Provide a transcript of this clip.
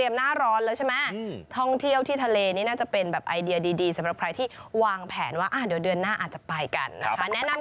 วางแผนว่าอ่ะเดี๋ยวเดือนหน้าจะไปกันน่ะ